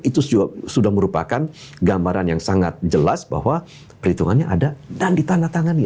itu juga sudah merupakan gambaran yang sangat jelas bahwa perhitungannya ada dan ditandatangani